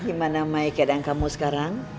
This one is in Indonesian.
gimana mai keadaan kamu sekarang